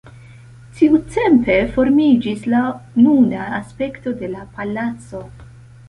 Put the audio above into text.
Tiutempe formiĝis la nuna aspekto de la palaco.